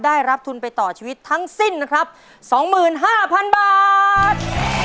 ได้รับทุนไปต่อชีวิตทั้งสิ้นนะครับสองหมื่นห้าพันบาท